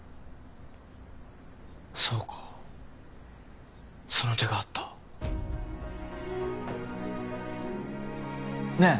そうかその手があったねえ